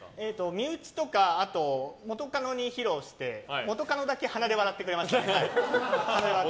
身内とか、元カノに披露して元カノだけ鼻で笑ってくれましたね。